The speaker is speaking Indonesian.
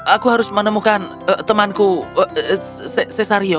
aku harus menemukan temanku cesario